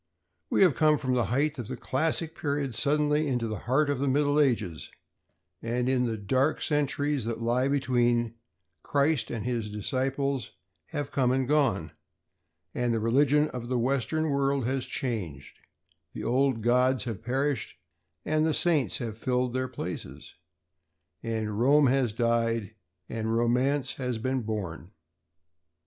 We have come from the height of the classic period suddenly into the heart of the Middle Ages; and in the dark centuries that lie between, Christ and His Disciples have come and gone, and the religion of the Western World has changed; the old gods have perished and the saints have filled their places. And Rome has died, and Romance has been born.